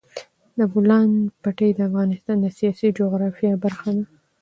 د بولان پټي د افغانستان د سیاسي جغرافیه برخه ده.